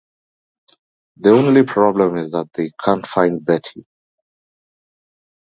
The only problem is that they can't find Betty.